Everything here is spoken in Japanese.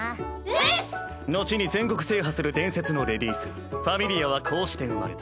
うっす！後に全国制覇する伝説のレディース「Ｆａｍｉｌｉａ」はこうして生まれた。